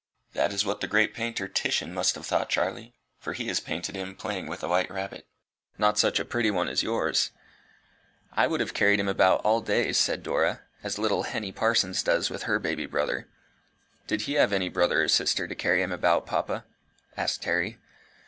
"That is what the great painter Titian must have thought, Charlie; for he has painted him playing with a white rabbit, not such a pretty one as yours." "I would have carried him about all day," said Dora, "as little Henny Parsons does her baby brother." "Did he have any brother or sister to carry him about, papa?" asked Harry.